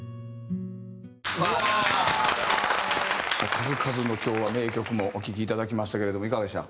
数々の今日は名曲もお聴きいただきましたけれどもいかがでした？